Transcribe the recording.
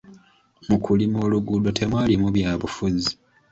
Mu kulima oluguudo temwalimu byabufuzi.